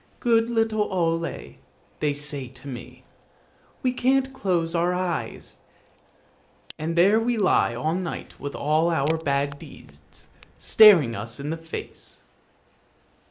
' Good little Ole,' they say to me, ' we can't close our eyes, and there we lie all night with all our bad deeds staring us in the face.